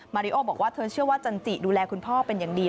ริโอบอกว่าเธอเชื่อว่าจันจิดูแลคุณพ่อเป็นอย่างดี